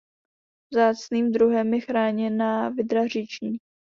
Vzácným druhem je chráněná vydra říční.